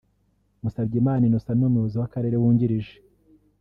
Musabyimana Innocent n’umuyobozi w’akarere wungirije